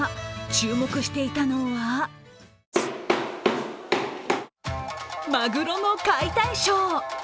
注目していたのはまぐろの解体ショー。